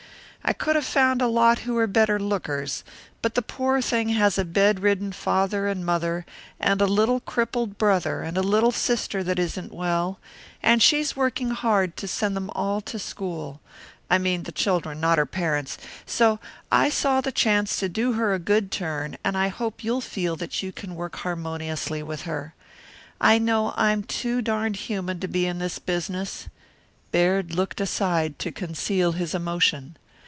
I could have found a lot who were better lookers; but the poor thing has a bedridden father and mother and a little crippled brother and a little sister that isn't well, and she's working hard to send them all to school I mean the children, not her parents; so I saw the chance to do her a good turn, and I hope you'll feel that you can work harmoniously with her. I know I'm too darned human to be in this business " Baird looked aside to conceal his emotion.